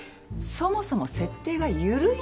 そもそも設定が緩いのよ。